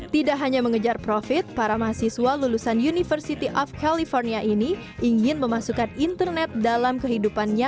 tidak hanya mengejar profit para mahasiswa lulusan university of california ini ingin memasukkan internet dalam kehidupannya